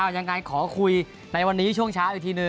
ยังไงขอคุยในวันนี้ช่วงเช้าอีกทีหนึ่ง